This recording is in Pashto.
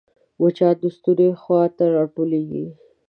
مچان د ستوني خوا ته راټولېږي